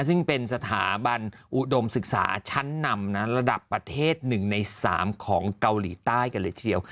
ซึ่งเป็นสถาบันอุดมศึกษาชั้นนำระดับประเทศ๑ใน๓ของเกาหลีใต้กันเลยทีเดียว